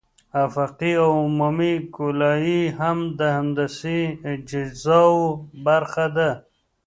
افقي او عمودي ګولایي هم د هندسي اجزاوو برخه ده